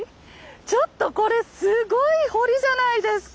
ちょっとこれすごい堀じゃないですか！